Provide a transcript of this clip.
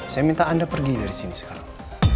saya minta anda pergi dari sini sekarang